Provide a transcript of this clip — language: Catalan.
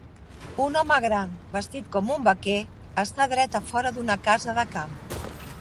Un home gran vestit com un vaquer està dret a fora d'una casa de camp.